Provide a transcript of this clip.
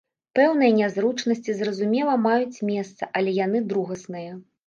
Пэўныя нязручнасці, зразумела, маюць месца, але яны другасныя.